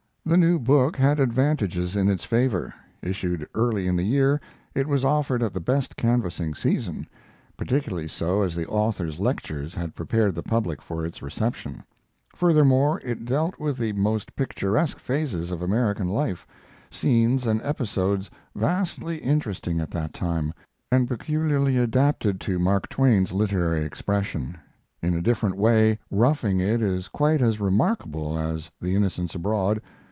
The new book had advantages in its favor. Issued early in the year, it was offered at the best canvassing season; particularly so, as the author's lectures had prepared the public for its reception. Furthermore, it dealt with the most picturesque phases of American life, scenes and episodes vastly interesting at that time, and peculiarly adapted to Mark Twain's literary expression. In a different way 'Roughing It' is quite as remarkable as 'The Innocents Abroad.'